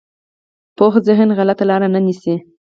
پوخ ذهن غلطه لاره نه نیسي